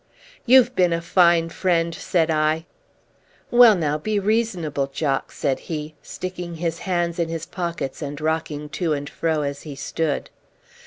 "You've been a fine friend!" said I. "Well now, be reasonable, Jock," said he, sticking his hands into his pockets and rocking to and fro as he stood.